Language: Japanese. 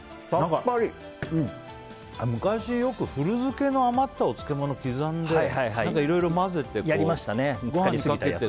昔よく古漬けの余ったお漬物を刻んで混ぜてご飯にかけて。